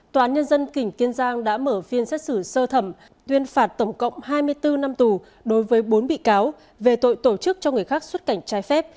tòa án nhân dân tỉnh kiên giang đã mở phiên xét xử sơ thẩm tuyên phạt tổng cộng hai mươi bốn năm tù đối với bốn bị cáo về tội tổ chức cho người khác xuất cảnh trái phép